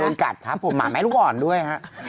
กลัวโดนกัดครับผมหมาเมพลูกอ่อนด้วย